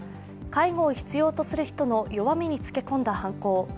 介護を必要とする人の弱みにつけ込んだ犯行。